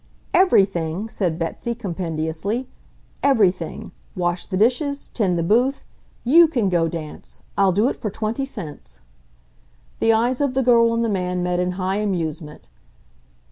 "Everything!" said Betsy, compendiously. "Everything! Wash the dishes, tend the booth; YOU can go dance! I'll do it for twenty cents." The eyes of the girl and the man met in high amusement.